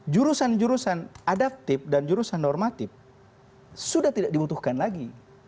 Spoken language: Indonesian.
jurusan jurusan adaptif dan jurusan normatif sudah tidak dibutuhkan lagi